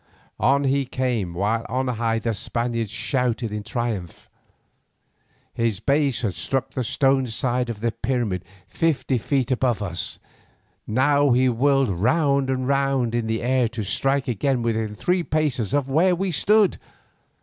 On he came while on high the Spaniards shouted in triumph. His base had struck the stone side of the pyramid fifty feet above us, now he whirled round and round in the air to strike again within three paces of where we stood.